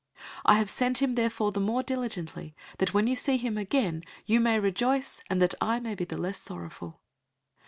002:028 I have sent him therefore the more diligently, that, when you see him again, you may rejoice, and that I may be the less sorrowful.